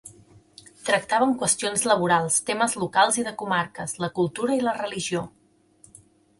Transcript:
Tractaven qüestions laborals, temes locals i de comarques, la cultura i la religió.